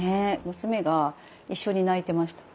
娘が一緒に泣いてました。